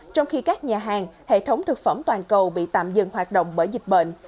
trong khi các nhà hàng hệ thống thực phẩm toàn cầu bị tạm dừng hoạt động bởi dịch bệnh